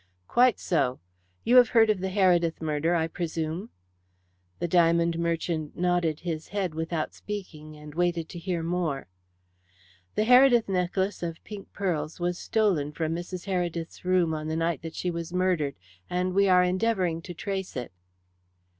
"Quite so. You have heard of the Heredith murder, I presume." The diamond merchant nodded his head without speaking, and waited to hear more. "The Heredith necklace of pink pearls was stolen from Mrs. Heredith's room on the night that she was murdered, and we are endeavouring to trace it."